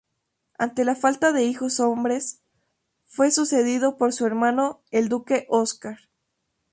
Ante la falta de hijos varones, fue sucedido por su hermano el duque Óscar.